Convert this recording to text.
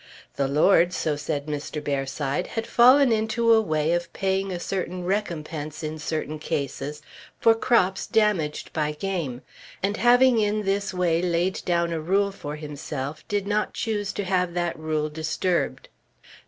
The lord, so said Mr. Bearside, had fallen into a way of paying a certain recompense in certain cases for crops damaged by game; and having in this way laid down a rule for himself did not choose to have that rule disturbed.